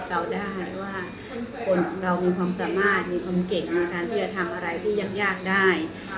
เราได้ว่าคนเรามีความสามารถมีความเก่งในการที่จะทำอะไรที่ยากได้